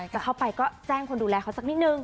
จะเข้าไปก็แจ้งคนดูแลเขาสักนิดนึง